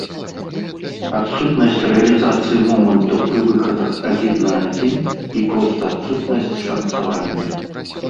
Адсутнасць рэалізацыі момантаў пры выхадах адзін на адзін і проста адсутнасць шанцавання.